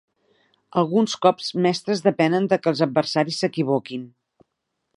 Alguns cops mestres depenen de que els adversaris s'equivoquin.